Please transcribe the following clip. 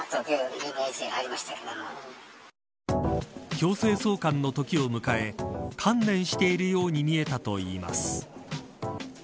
強制送還の時を迎え観念しているように見えたといいます。